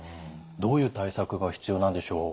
どういう対策が必要なんでしょう？